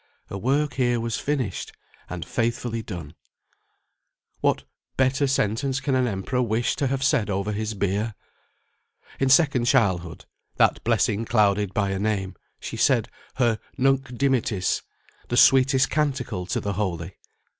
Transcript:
Her work here was finished, and faithfully done. What better sentence can an emperor wish to have said over his bier? In second childhood (that blessing clouded by a name), she said her "Nunc Dimittis," the sweetest canticle to the holy.